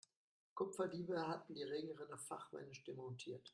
Kupferdiebe hatten die Regenrinne fachmännisch demontiert.